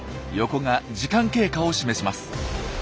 横が時間経過を示します。